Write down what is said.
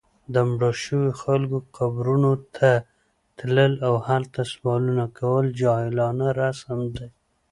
د مړو شوو خلکو قبرونو ته تلل، او هلته سوالونه کول جاهلانه رسم دی